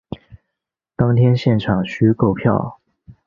当天现场须购票